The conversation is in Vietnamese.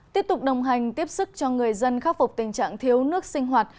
tiếp tục đồng hành tiếp sức cho người dân khắc phục tình trạng thiếu nước sinh hoạt